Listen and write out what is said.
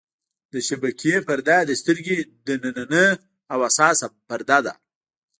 د شبکیې پرده د سترګې نننۍ او حساسه پرده ده.